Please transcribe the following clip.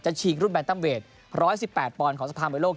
จะฉีกรุ่นแบตเติมเวทร้อยสิบแปดปอนด์ของสะพานบริโลก